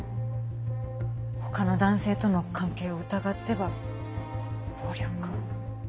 他の男性との関係を疑っては暴力を。